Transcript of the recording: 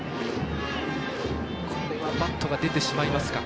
これはバットが出てしまいますか。